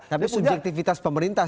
tapi subjektivitas pemerintah